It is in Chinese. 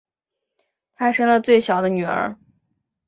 她生了最小的女儿